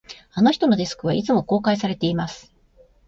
あの人のデスクは、いつも公開されています